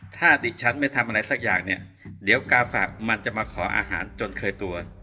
ถ้าดิฉันไม่ทำอะไรสักอย่างเนี่ยเดี๋ยวกาฝากมันจะมาขออาหารจนเคยตัว